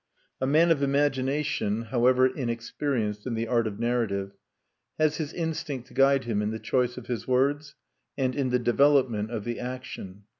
A man of imagination, however inexperienced in the art of narrative, has his instinct to guide him in the choice of his words, and in the development of the action.